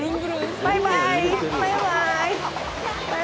バイバーイ。